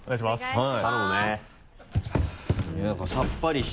はい。